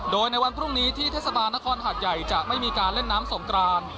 โดยในวันพรุ่งนี้ที่เทศบาลนครหาดใหญ่จะไม่มีการเล่นน้ำสงกราน